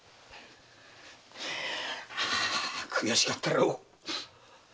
悔しかったろう。